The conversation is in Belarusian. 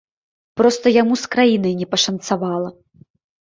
Проста яму з краінай не пашанцавала.